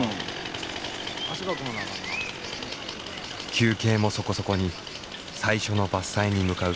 休憩もそこそこに最初の伐採に向かう。